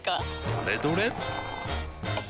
どれどれっ！